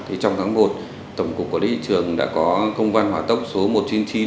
thì trong tháng một tổng cục quản lý thị trường đã có công văn hỏa tốc số một trăm chín mươi chín